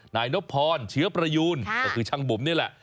นายนพลเฉียบรยูนคือช่างบุ๋มนี่แหละ